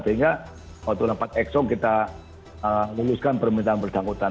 sehingga waktu dapat exo kita meluluskan permintaan bersangkutan